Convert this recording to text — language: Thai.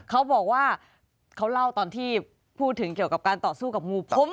เขาบอกว่าเขาเล่าตอนที่พูดถึงเกี่ยวกับการต่อสู้กับงู